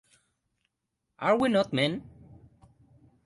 Q Are We Not Men?